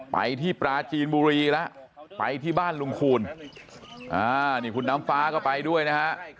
ไปที่ปราจีนบุรีแล้วไปที่บ้านลุงคูณนี่คุณน้ำฟ้าก็ไปด้วยนะฮะ